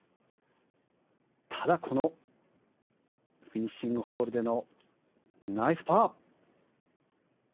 ただこのフィニッシングホールでのナイスパー。